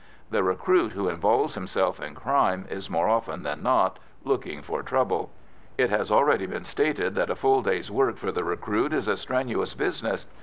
The recruit who involves himself in "crime" is, more often than not, looking for trouble. It has already been stated that a full day's work for the recruit is a strenuous business.